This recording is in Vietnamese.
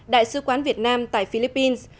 đại sứ quán việt nam tại philippines